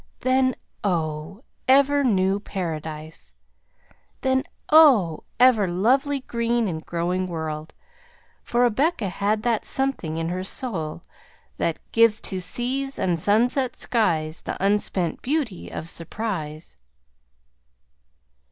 Then, oh, ever new Paradise! Then, oh, ever lovely green and growing world! For Rebecca had that something in her soul that "Gives to seas and sunset skies The unspent beauty of surprise."